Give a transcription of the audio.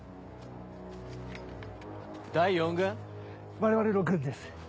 我々の軍です。